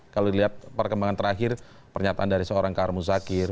kalau dilihat perkembangan terakhir pernyataan dari seorang karmu zakir